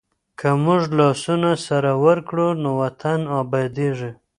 که موږ لاسونه سره ورکړو نو وطن ابادېږي.